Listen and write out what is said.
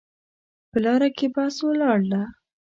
په لاره کې بس ولاړ ده